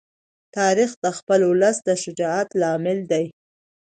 تاریخ د خپل ولس د شجاعت لامل دی.